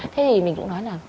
thế thì mình cũng nói là